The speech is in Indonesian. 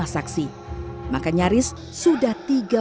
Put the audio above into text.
saksi maka nyaris sudah tersangka